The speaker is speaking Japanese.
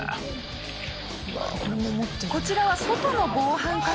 こちらは外の防犯カメラ。